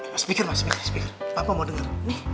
mas speaker mas apa mau denger